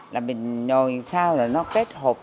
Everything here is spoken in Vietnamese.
là mình nhồi sao là nó kết hợp